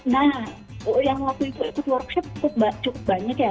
nah yang waktu itu ikut workshop cukup banyak ya